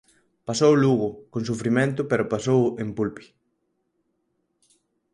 Pasou o Lugo, con sufrimento pero pasou en Pulpi.